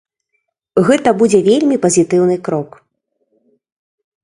Гэта будзе вельмі пазітыўны крок.